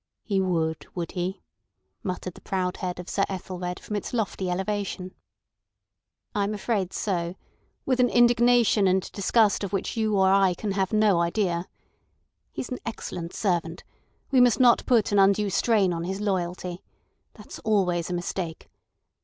"He would, would he?" muttered the proud head of Sir Ethelred from its lofty elevation. "I am afraid so—with an indignation and disgust of which you or I can have no idea. He's an excellent servant. We must not put an undue strain on his loyalty. That's always a mistake.